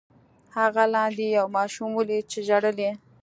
هغه لاندې یو ماشوم ولید چې ژړل یې.